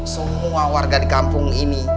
semua warga di kampung ini